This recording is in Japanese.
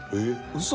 嘘！